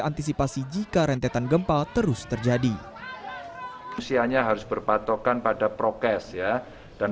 antisipasi jika rentetan gempa terus terjadi usianya harus berpatokan pada prokes ya dan